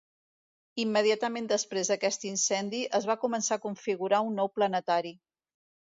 Immediatament després d'aquest incendi, es va començar a configurar un nou planetari.